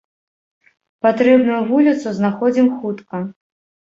Патрэбную вуліцу знаходзім хутка.